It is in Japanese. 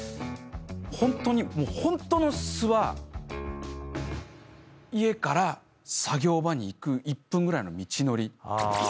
ホントにホントの素は家から作業場に行く１分ぐらいの道のり。